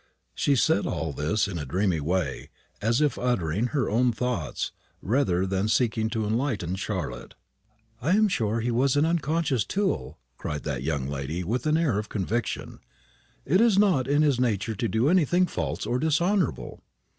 She said all this in a dreamy way, as if uttering her own thoughts, rather than seeking to enlighten Charlotte. "I am sure he was an unconscious tool," cried that young lady, with an air of conviction; "it is not in his nature to do anything false or dishonourable."